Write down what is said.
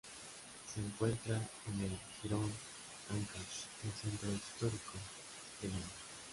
Se encuentra en el jirón Ancash del centro histórico de Lima.